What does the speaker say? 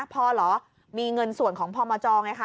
พอเหรอมีเงินส่วนของพมจไงคะ